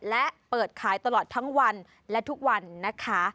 และเปิดขายตลอดทั้งวันและทุกวันนะคะ